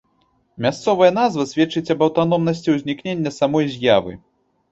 Мясцовая назва сведчыць аб аўтаномнасці ўзнікнення самой з'явы.